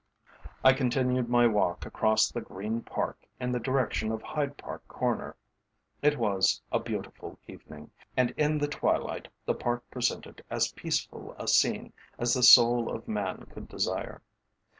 I continued my walk across the green Park in the direction of Hyde Park Corner. It was a beautiful evening, and in the twilight the Park presented as peaceful a scene as the soul of man could desire.